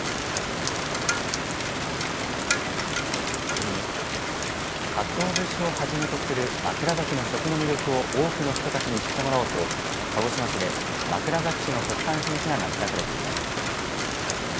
次に、かつお節をはじめとする枕崎の食の魅力を多くの人たちに知ってもらおうと鹿児島市で枕崎市の特産品フェアが開かれています。